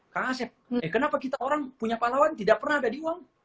kang asyik eh kenapa kita orang punya pahlawan tidak pernah ada di uang